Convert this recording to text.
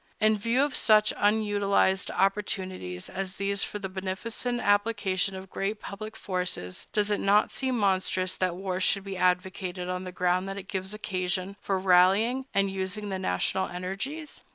In view of such unutilized opportunities as these for the beneficent application of great public forces, does it not seem monstrous that war should be advocated on the ground that it gives occasion for rallying and using the national energies?